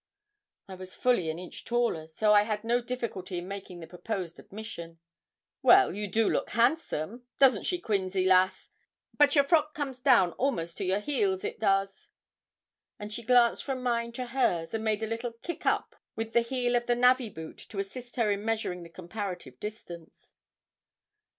I was fully an inch taller, so I had no difficulty in making the proposed admission. 'Well, you do look handsome! doesn't she, Quinzy, lass? but your frock comes down almost to your heels it does.' And she glanced from mine to hers, and made a little kick up with the heel of the navvy boot to assist her in measuring the comparative distance.